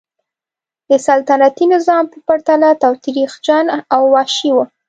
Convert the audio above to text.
د سلطنتي نظام په پرتله تاوتریخجن او وحشي و.